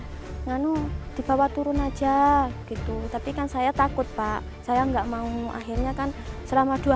nganu dibawa turun aja gitu tapi kan saya takut pak saya enggak mau akhirnya kan selama dua